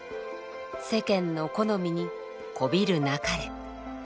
世間の好みに媚びるなかれ」。